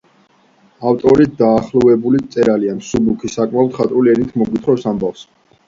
ავტორი დახელოვნებული მწერალია; მსუბუქი, საკმაოდ მხატვრული ენით მოგვითხრობს ამბავს.